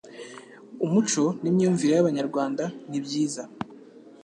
umuco n'imyumvire y'Abanyarwanda nibyiza